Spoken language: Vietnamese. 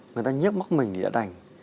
người ta nhếp móc mình thì đã đành